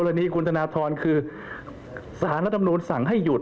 กรณีที่คุณธนาทรคือสารและตำนวนสั่งให้หยุด